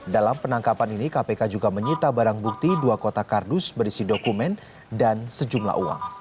dalam penangkapan ini kpk juga menyita barang bukti dua kotak kardus berisi dokumen dan sejumlah uang